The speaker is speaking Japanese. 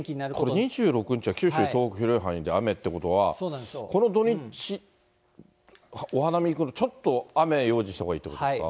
この２６日は九州、東北、広い範囲で雨っていうことは、この土日、お花見行くの、ちょっと雨、用心したほうがいいということですか？